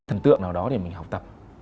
thần tượng nào đó để mình học tập